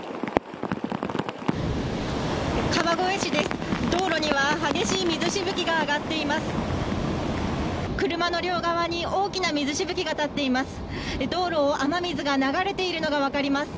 川越市です、道路には激しい水しぶきが上がっています。